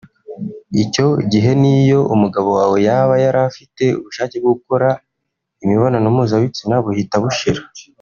icyo gihe niyo umugabo wawe yaba yarafite ubushake bwo gukora imibonano mpuzabitsina buhita bushira